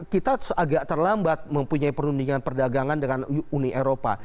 kita agak terlambat mempunyai perundingan perdagangan dengan uni eropa